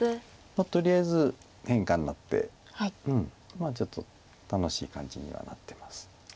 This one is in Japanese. とりあえず変化になってちょっと楽しい感じにはなってます。